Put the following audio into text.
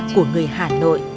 của người hà nội